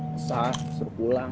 besar seru pulang